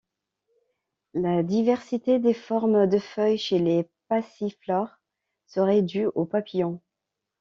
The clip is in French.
La diversité des formes de feuilles chez les passiflores serait due aux papillons.